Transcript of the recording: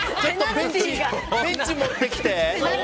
ペンチ持ってきて！